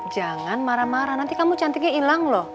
jangan marah marah nanti kamu cantiknya hilang loh